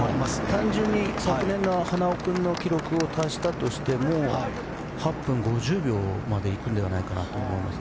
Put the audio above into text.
単純に昨年の花尾君の記録を足したとしても、８分５０秒まで行くんじゃないかなと思います。